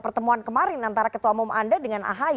pertemuan kemarin antara ketua umum anda dengan ahy